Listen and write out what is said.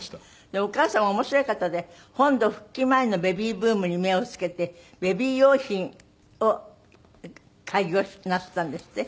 でもお母様は面白い方で本土復帰前のベビーブームに目を付けてベビー用品を開業なすったんですって？